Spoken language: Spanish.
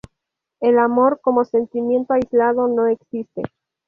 El amor, como sentimiento aislado, no existe.